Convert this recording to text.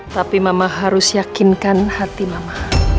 tapi mama harus yakinkan hati mama